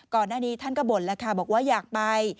ก่อนหน้านี้ท่านก็บ่นแล้วค่ะบอกว่าอยากไป